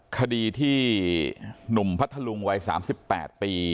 คดีที่หนุ่มพัทธลุงวัย๓๘ปี